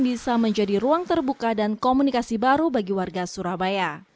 bisa menjadi ruang terbuka dan komunikasi baru bagi warga surabaya